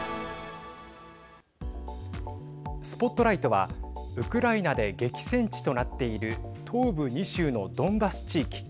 ＳＰＯＴＬＩＧＨＴはウクライナで激戦地となっている東部２州のドンバス地域。